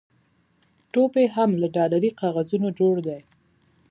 ټوپ یې هم له ډالري کاغذونو جوړ دی.